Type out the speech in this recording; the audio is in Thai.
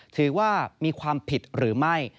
ถือว่ามีความผิดหรือไม่